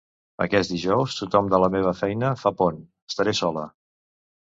Aquest dijous tothom de la meva feina fa pont, estaré sola.